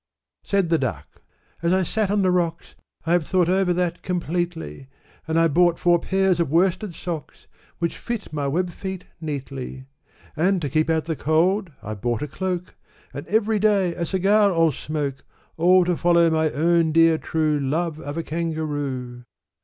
Said the Duck, "As I sate on the rocks, I have thought over that completely; And I bought four pairs of worsted socks, Which fit my web feet neatly; And, to keep out the cold, I've bought a cloak; And every day a cigar I'll smoke; All to follow my own dear true Love of a Kangaroo."